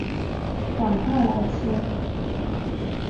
赶快来吃